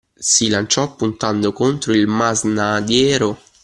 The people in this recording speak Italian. Si lanciò puntando contro il masnadiero